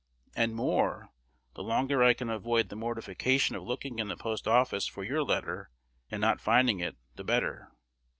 And more, the longer I can avoid the mortification of looking in the post office for your letter, and not finding it, the better.